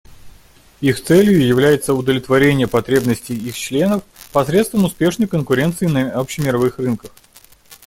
Их целью является удовлетворение потребностей их членов посредством успешной конкуренции на общемировых рынках.